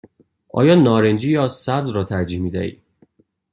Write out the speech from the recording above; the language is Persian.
آیا نارنجی یا سبز را ترجیح می دهی؟